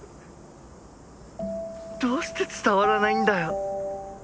「どうして伝わらないんだよ」。